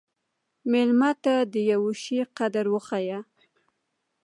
مېلمه ته د یوه شي قدر وښیه.